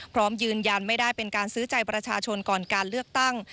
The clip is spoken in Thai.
พร้อมยืนยันไม่ได้เป็นการซื้อใจประชาชนก่อนการเลือกตั้ง